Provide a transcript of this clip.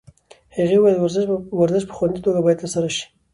هغې وویل ورزش په خوندي توګه باید ترسره شي.